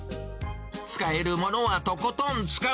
使えるものはとことん使う。